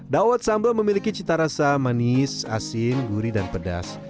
dawet sambal memiliki cita rasa manis asin gurih dan pedas